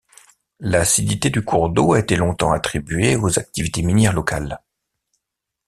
L'acidité du cours d'eau a été longtemps attribuée aux activités minières locales.